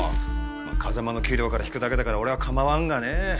風真の給料から引くだけだから俺は構わんがね。